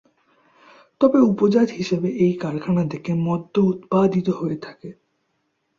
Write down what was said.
তবে উপজাত হিসেবে এই কারখানা থেকে মদ্য উৎপাদিত হয়ে থাকে।